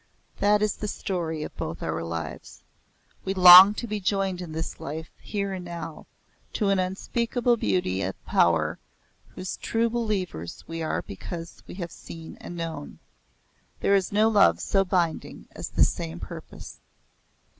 That is the story of both our lives. We long to be joined in this life, here and now, to an unspeakable beauty and power whose true believers we are because we have seen and known. There is no love so binding as the same purpose.